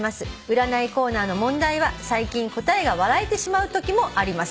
「占いコーナーの問題は最近答えが笑えてしまうときもあります」